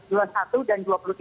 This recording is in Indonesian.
dan nanti akan berjalan ke jakarta